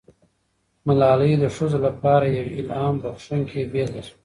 ملالۍ د ښځو لپاره یوه الهام بښونکې بیلګه سوه.